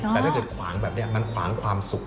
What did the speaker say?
แต่ถ้าเกิดขวางแบบนี้มันขวางความสุข